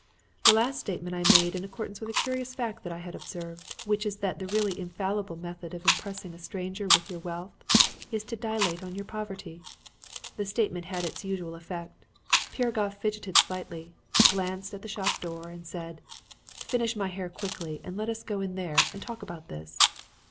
"The last statement I made in accordance with a curious fact that I have observed, which is that the really infallible method of impressing a stranger with your wealth is to dilate on your poverty. The statement had its usual effect. Piragoff fidgeted slightly, glanced at the shop door and said: "'Finish my hair quickly and let us go in there and talk about this.'